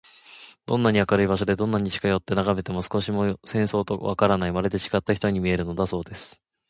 どんなに明るい場所で、どんなに近よってながめても、少しも変装とはわからない、まるでちがった人に見えるのだそうです。